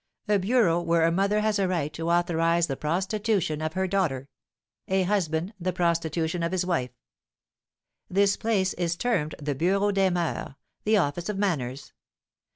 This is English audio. A bureau where a mother has a right to authorise the prostitution of her daughter; a husband the prostitution of his wife. This place is termed the "Bureau des Moeurs" (the Office of Manners).